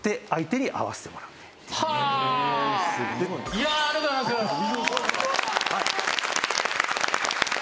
いやあありがとうございます。